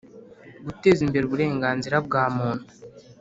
Guteza imbere uburenganzira bwa muntu